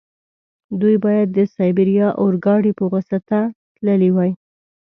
دوی باید د سایبیریا اورګاډي په واسطه تللي وای.